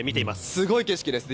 すごい景色ですね。